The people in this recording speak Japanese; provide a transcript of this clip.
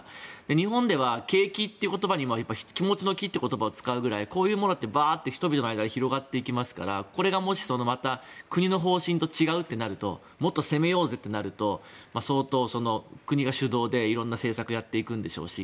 日本では景気という言葉に気持ちの気っていう言葉を使うくらいこういうものって人々の間で広がっていきますからこれがもし、また国の方針と違うとなるともっと攻めようぜとなると相当、国が主導で色んな政策をやっていくんでしょうし。